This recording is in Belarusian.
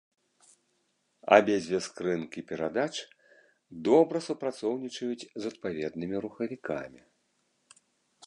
Абедзве скрынкі перадач добра супрацоўнічаюць з адпаведнымі рухавікамі.